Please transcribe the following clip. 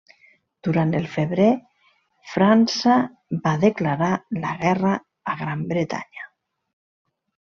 Durant el febrer França va declarar la guerra a Gran Bretanya.